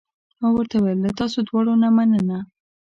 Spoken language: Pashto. ما ورته وویل: له تاسو دواړو نه مننه.